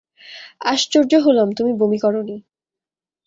আশ্চর্য হলাম তুমি বমি করোনি।